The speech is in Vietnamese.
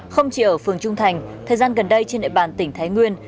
không chỉ ở phường trung thành thời gian gần đây trên địa bàn tỉnh thái nguyên